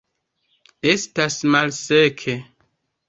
Estas malseke.